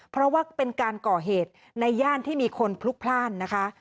เพราะว่าเป็นการก่อเหตุในย่านที่มีคนพลุกพลาดนะคะ